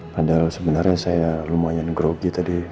padahal sebenarnya saya lumayan grogi tadi